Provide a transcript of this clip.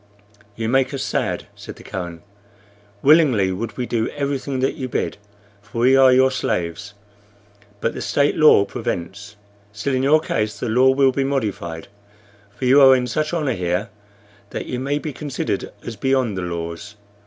"You make us sad," said the Kohen. "Willingly would we do everything that you bid, for we are your slaves; but the state law prevents. Still, in your case, the law will be modified; for you are in such honor here that you may be considered as beyond the laws.